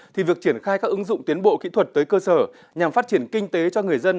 thì việc triển khai các ứng dụng tiến bộ kỹ thuật tới cơ sở nhằm phát triển kinh tế cho người dân